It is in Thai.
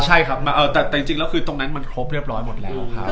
ได้กลับมาเลยครับอ๋อใช่ครับแต่จริงแล้วคือตรงนั้นมันครบเรียบร้อยหมดแล้วครับ